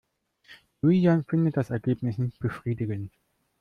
Julian findet das Ergebnis nicht befriedigend.